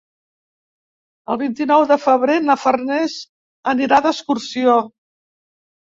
El vint-i-nou de febrer na Farners anirà d'excursió.